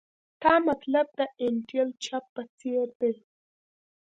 تا مطلب د انټیل چپ په څیر دی